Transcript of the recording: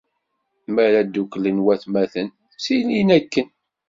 Mi ara dduklen watmaten, ttilin akken.